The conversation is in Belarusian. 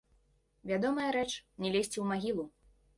Вядомая рэч, не лезці ў магілу.